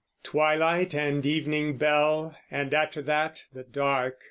Twilight and evening bell, And after that the dark!